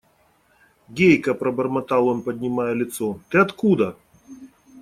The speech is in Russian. – Гейка, – пробормотал он, поднимая лицо, – ты откуда?